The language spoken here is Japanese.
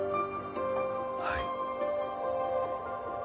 はい。